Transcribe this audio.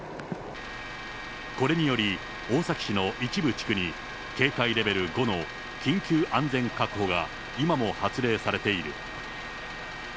これにより、大崎市の一部地区に、警戒レベル５の緊急安全確保が今も発令されている。